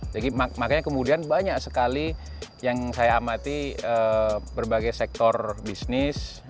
jadi makanya kemudian banyak sekali yang saya amati berbagai sektor bisnis